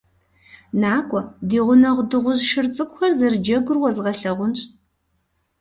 НакӀуэ, ди гъунэгъу дыгъужь шыр цӀыкӀухэр зэрыджэгур уэзгъэлъагъунщ!